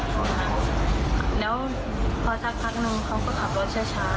ค่ะแล้วพอสักคัสหนึ่งเขาก็ขับรถช้า